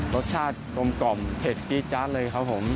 รสชาติกลมเผ็ดจ้าเลยครับผม